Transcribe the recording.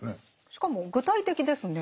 しかも具体的ですね。